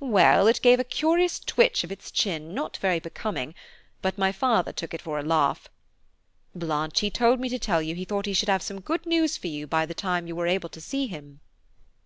"Well, it gave a curious twitch of its chin not very becoming, but my father took it for a laugh. Blanche, he told me to tell you he thought he should have some good news for you by the time you were able to see him."